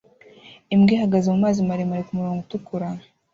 Imbwa ihagaze mumazi maremare kumurongo utukura